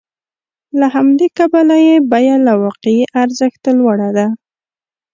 له همدې کبله یې بیه له واقعي ارزښت لوړه ده